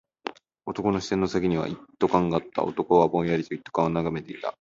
男の視線の先には一斗缶があった。男はぼんやりと一斗缶を眺めていた。